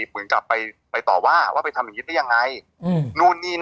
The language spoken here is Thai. ซึ่งจริงมันเห็นผลอะไรไหมพี่หนุ่มเอาจริง